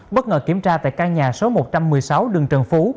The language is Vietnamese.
bất ngờ kiểm tra tại căn nhà số một trăm một mươi sáu đường trần phú